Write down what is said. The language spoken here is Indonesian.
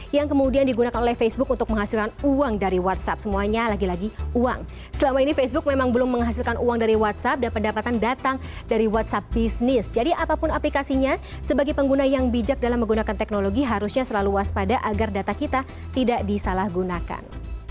dan dengan facebook data inilah yang kemudian digunakan oleh facebook untuk menghasilkan uang dari whatsapp semuanya lagi lagi uang selama ini facebook memang belum menghasilkan uang dari whatsapp dan pendapatan datang dari whatsapp bisnis jadi apapun aplikasinya sebagai pengguna yang bijak dalam menggunakan teknologi harusnya selalu waspada agar data kita tidak disalahgunakan